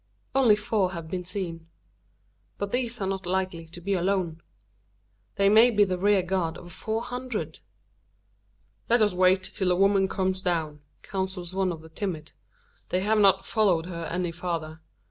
Only four have been seen. But these are not likely to be alone. They may be the rear guard of four hundred? "Let us wait till the woman comes down," counsels one of the timid. "They have not followed her any farther.